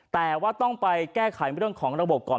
แต่ว่าต้องไปแก้ไขเรื่องของระบบก่อน